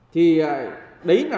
thì đấy là